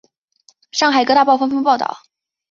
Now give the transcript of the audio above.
上海各大报纸纷纷报道。